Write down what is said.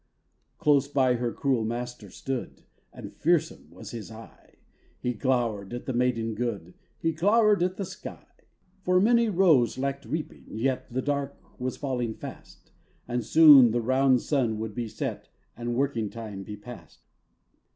Close by her cruel master stood, And fearsome was his eye; He glowered at the maiden good, He glowered at the sky. For many rows lacked reaping, yet The dark was falling fast, And soon the round sun would be set And working time be past.